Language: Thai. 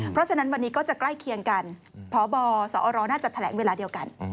เพราะฉะนั้นวันนี้ก็จะใกล้เคียงกันพบสอรน่าจะแถลงเวลาเดียวกัน